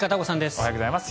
おはようございます。